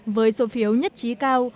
với số phiếu nhất trí cao